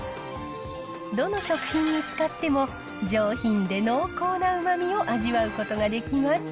どの食品に使っても、上品で濃厚なうまみを味わうことができます。